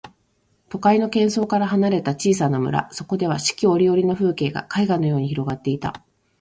都会の喧騒から離れた小さな村、そこでは四季折々の風景が絵画のように広がっていた。